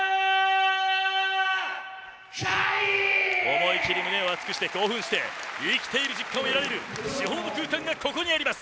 思い切り胸を熱くして、興奮して生きている実感を得られる至高の空間がここにあります。